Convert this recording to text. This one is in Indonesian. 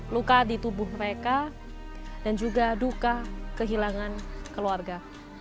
luka di tubuh mereka dan juga duka kehilangan keluarga